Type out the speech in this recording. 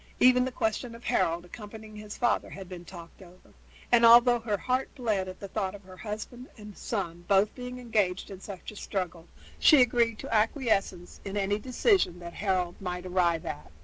Even the question of Harold accompanying his father had been talked over; and although her heart bled at the thought of husband and son being both engaged in such a struggle, she agreed to acquiesce in any decision that Harold might arrive at.